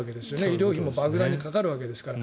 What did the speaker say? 医療費もばく大にかかるわけですから。